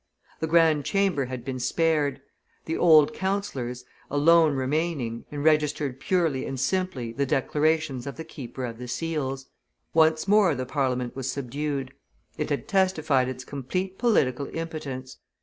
The Grand Chamber had been spared; the old councillors, alone remaining, enregistered purely and simply the declarations of the keeper of the seals. Once more the Parliament was subdued; it had testified its complete political impotence.